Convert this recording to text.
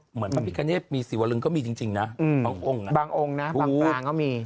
เหมือนปกรณ์ธรรมิกาเนทมิดสิวลึงก็มีจริงนะบางองค์และบางปลางก็มี